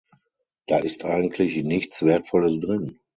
Da ist eigentlich nichts Wertvolles drin.